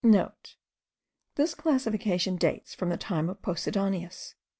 *(* This classification dates from the time of Posidonius.